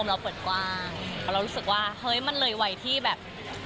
เรารู้สึกว่าเฮ้ยมันเลยไหวที่แบบ